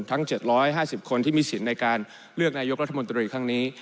ทั้ง๗๕๐คนที่มีสิทธิ์ในการเลือกนายกรัฐมนตรีครั้งนี้